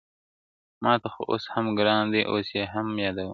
ماته خو اوس هم گران دى اوس يې هم يادوم.